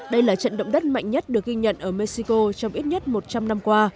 đây là trận động đất mạnh nhất được ghi nhận ở mexico trong ít nhất một trăm linh năm qua